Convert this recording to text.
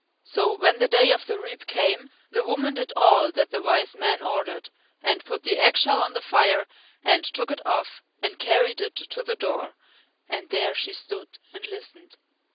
So when the day of the reap came the woman did all that the Wise Man ordered, and put the eggshell on the fire and took it off and carried it to the door, and there she stood and listened.